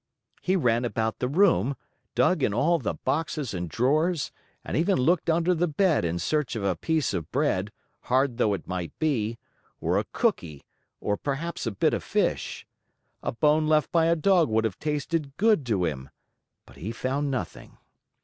He ran about the room, dug in all the boxes and drawers, and even looked under the bed in search of a piece of bread, hard though it might be, or a cookie, or perhaps a bit of fish. A bone left by a dog would have tasted good to him! But he found nothing.